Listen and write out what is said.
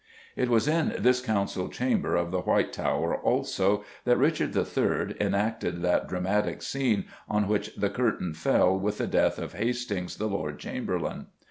It was in this Council Chamber of the White Tower, also, that Richard III. enacted that dramatic scene on which the curtain fell with the death of Hastings, the Lord Chamberlain.